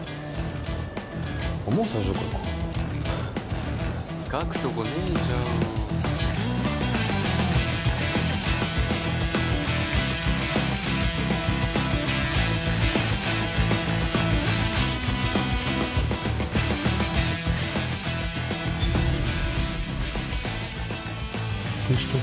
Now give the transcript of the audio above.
あっもう最上階か書くとこねえじゃんどうした？